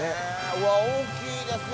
うわ大きいですよ